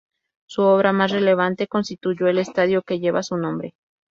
Su obra más relevante constituyó el estadio que lleva su nombre.